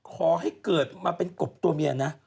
ขอให้เกิดมาเป็นกบตัวเมียนะ